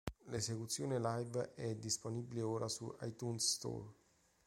L'esecuzione live è disponibile ora su "iTunes" Store.